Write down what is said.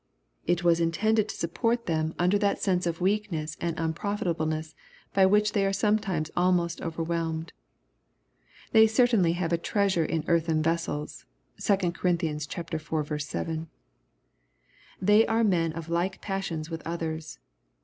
It was intended to support them under that sense of weakness and un profitableness by which they are sometimes almost over whelmed. They certainly have a treasure in earthen vessels. (2 Cor. iv. 7.) They are men of like passions with others.